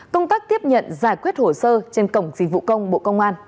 công tác tiếp nhận giải quyết hồ sơ trên cổng dịch vụ công bộ công an